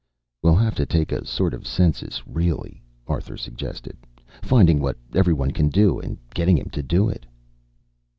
"We'll have to take a sort of census, really," Arthur suggested, "finding what every one can do and getting him to do it."